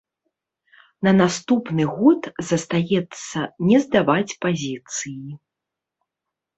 На наступны год застаецца не здаваць пазіцыі.